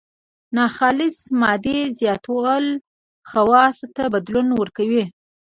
ناخالصې مادې زیاتول خواصو ته بدلون ورکوي.